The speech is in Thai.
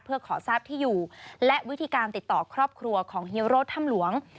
เพื่อขอทราบที่อยู่และวิธีการติดต่อครอบครัวของฮีโร่ถ้ำหลวง